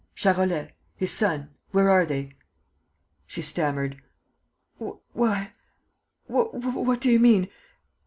Charolais? His son ... Where are they?" She stammered: "Why, what do you mean?